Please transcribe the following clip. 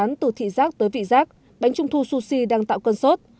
bánh từ thị giác tới vị rác bánh trung thu sushi đang tạo cơn sốt